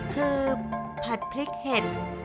คือผัดพริกเห็ด